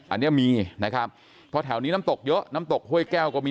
อันนี้มีนะครับเพราะแถวนี้น้ำตกเยอะน้ำตกห้วยแก้วก็มี